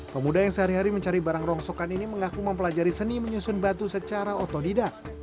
pemuda yang sehari hari mencari barang rongsokan ini mengaku mempelajari seni menyusun batu secara otodidak